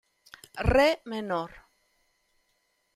Re menor.